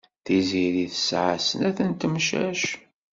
Tiziri tesɛa snat n temcac.